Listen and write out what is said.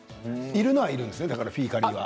いるのはいるんですねだからフィーカリは。